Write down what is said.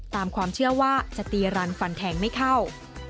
ตามความเชื่อว่าจะตีรันฟันแทงไม่เข้า